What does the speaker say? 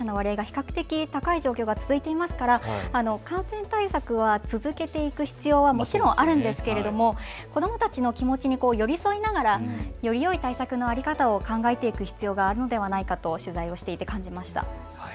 若い世代の感染者の割合が比較的高い状態が続いていますから感染対策は続けていく必要はもちろんあるんですが子どもたちの気持ちに寄り添いながらよりよい対策の在り方を考えていく必要があるのではないかと取材をしていて感じました。